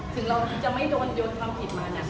ถึงเราจะไม่โดนโยนความผิดมาเนี่ย